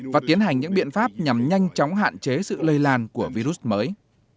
và tiến hành những biện pháp nhằm nhanh chóng hạn chế sự lây lan của virus mới